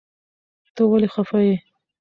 ته ولي خفه يي